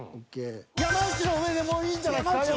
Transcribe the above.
山内の上でもういいんじゃないですか？